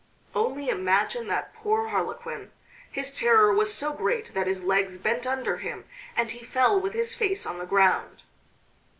Only imagine that poor Harlequin! His terror was so great that his legs bent under him, and he fell with his face on the ground.